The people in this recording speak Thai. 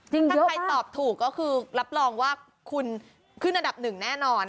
ถ้าใครตอบถูกก็คือรับรองว่าคุณขึ้นอันดับหนึ่งแน่นอน